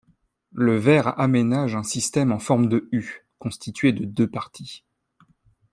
Le ver aménage un système en forme de U, constitué de deux parties.